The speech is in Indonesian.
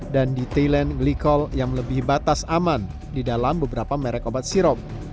dan ditilen glikol yang lebih batas aman di dalam beberapa merek obat sirop